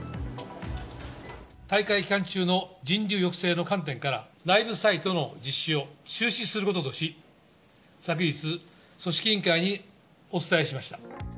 大会期間中の人流抑制の観点から、ライブサイトの実施を中止することとし、昨日、組織委員会にお伝えしました。